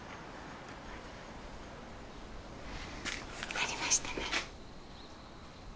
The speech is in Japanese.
ありましたね。